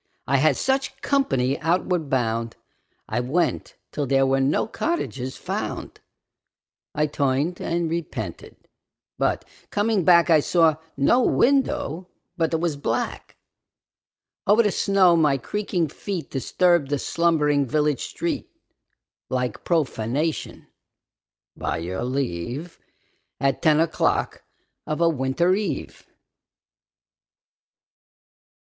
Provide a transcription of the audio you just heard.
I had such company outward bound. I went till there were no cottages found. I turned and repented, but coming back I saw no window but that was black. Over the snow my creaking feet Disturbed the slumbering village street Like profanation, by your leave, At ten o'clock of a winter eve.